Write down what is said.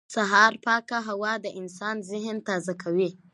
سهار پاکه هوا د انسان ذهن تازه کوي